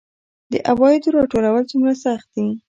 د عوایدو راټولول څومره سخت دي؟